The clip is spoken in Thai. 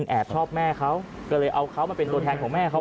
แอบชอบแม่เขาก็เลยเอาเขามาเป็นตัวแทนของแม่เขา